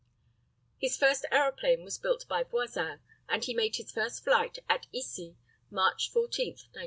His first aeroplane was built by Voisin, and he made his first flight at Issy, March 14, 1907.